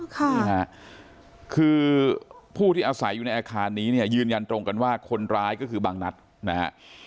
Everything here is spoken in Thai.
คือผู้ที่อาศัยอยู่ในอาคารนี้ยืนยันตรงกันว่าคนร้ายก็คือบางนัดนะครับ